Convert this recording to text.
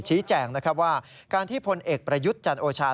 ชี้แจงนะครับว่าการที่พลเอกประยุทธ์จันโอชา